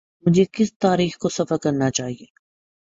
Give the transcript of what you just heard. مجھے کس تاریخ کو سفر کرنا چاہیے۔